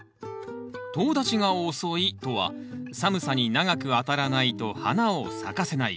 「とう立ちが遅い」とは寒さに長くあたらないと花を咲かせない